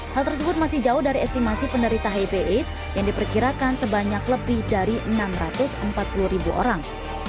hal tersebut masih jauh dari estimasi penderita hiv aids yang diperkirakan sebanyak lebih dari enam ratus empat puluh ribu orang